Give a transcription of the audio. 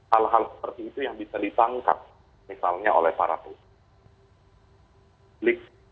hal hal seperti itu yang bisa ditangkap misalnya oleh para publik